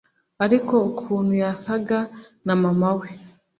ariko ukuntu yasaga na mama